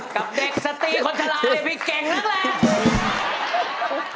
กับเด็กสตีคนชะลายพี่เก่งนักแหละ